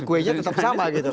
iya kuenya tetap sama gitu kan